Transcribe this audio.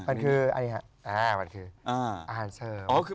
มันคืออาหารเชิง